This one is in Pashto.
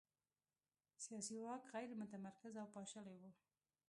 سیاسي واک غیر متمرکز او پاشلی و.